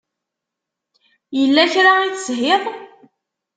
Yella kra i teshiḍ?